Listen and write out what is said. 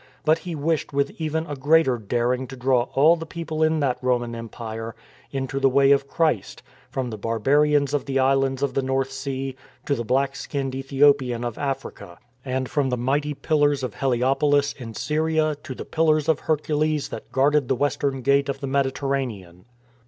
But he wished with even a greater daring to draw all the people in that Roman empire into the way of Christ, from the barbarians of the islands of the North Sea to the black skinned Ethiopian of Africa, and from the mighty pillars of Heliopolis in Syria to the pillars of Hercules that guarded the western gate of the Mediterranean.